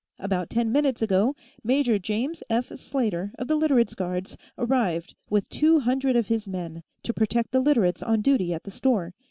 About ten minutes ago, Major James F. Slater, of the Literates' Guards, arrived with two hundred of his men, to protect the Literates on duty at the store.